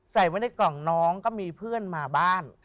ใส่ไว้ในกล่องน้องก็มีเพื่อนมาบ้าน